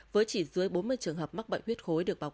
với chỉ dưới bốn mươi trường hợp mắc bệnh huyết khối được báo cáo